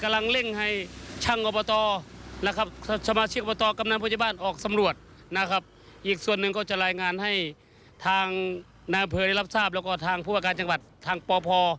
ใส่งานให้ทางนายกำเผอได้รับทราบแล้วก็ทางพวกประกาศจังหวัดทางปภ